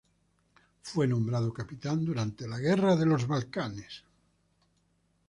Fue nombrado capitán durante las guerras de los Balcanes.